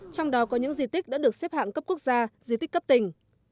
trong đó có những di tích đã được xếp hạng cấp quốc gia di tích cấp tỉnh